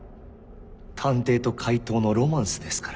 探偵と怪盗のロマンスですから。